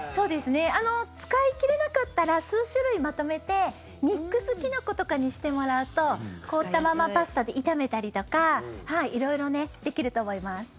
使い切れなかったら数種類まとめてミックスキノコとかにしてもらうと凍ったままパスタで炒めたりとか色々できると思います。